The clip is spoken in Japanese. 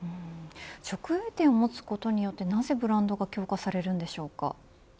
直営店を持つことによってなぜブランドが強化されるのでしょうか。